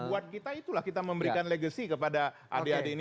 buat kita itulah kita memberikan legacy kepada adik adik ini